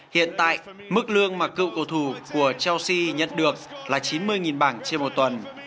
hiện tại mức lương mà cựu cầu thủ của chelsea nhận được là chín mươi bảng trên một tuần